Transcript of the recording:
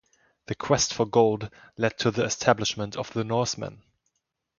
The quest for gold led to the establishment of Norseman.